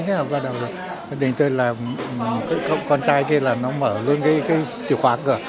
thế nên tôi là con trai kia là nó mở luôn cái chìa khóa cửa